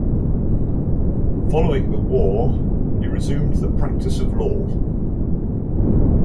Following the war, he resumed the practice of law.